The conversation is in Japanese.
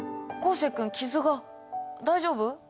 生君傷が大丈夫？